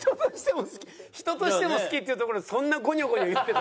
「人としても好き」っていうところでそんなゴニョゴニョ言ってたの？